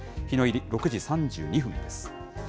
日の入り６時３２分です。